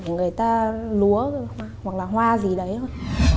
người ta lúa hoặc là hoa gì đấy thôi